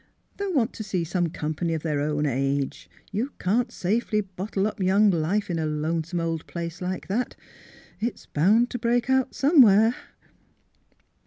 They'll want to see some company of their o^vn age. You can 't safely bot tle up young life in a lonesome old place like that. It's bound to break out somewhere."